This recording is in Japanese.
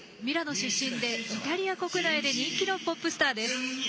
ミラノ出身でイタリア国内で人気のポップスターです。